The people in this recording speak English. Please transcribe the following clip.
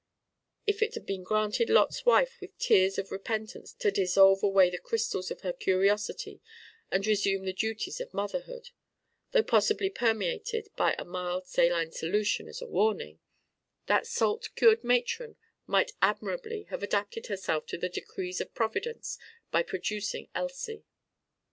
If it had been granted Lot's wife with tears of repentance to dissolve away the crystals of her curiosity and resume the duties of motherhood, though possibly permeated by a mild saline solution as a warning, that salt cured matron might admirably have adapted herself to the decrees of Providence by producing Elsie.